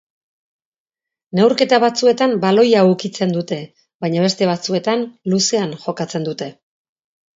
Neurketa batzuetan baloia ukitzen dute, baina beste batzuetan luzean jokatzen dute.